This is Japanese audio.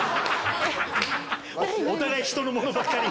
お互いひとのものばっかり。